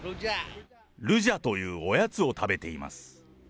ルジャというおやつを食べています。